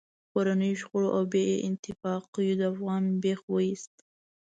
کورنیو شخړو او بې اتفاقیو د افغانانو بېخ و ایست.